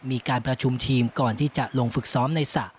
มีการประชุมทีมก่อนที่จะลงฝึกซ้อมในสระ